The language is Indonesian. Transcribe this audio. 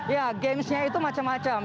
ya games nya itu macam macam